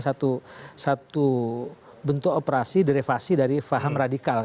satu bentuk operasi derevasi dari faham radikal